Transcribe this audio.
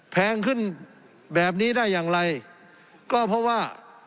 แพงขึ้นแบบนี้ได้อย่างไรก็เพราะว่า